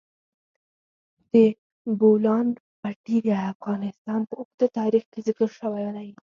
د بولان پټي د افغانستان په اوږده تاریخ کې ذکر شوی دی.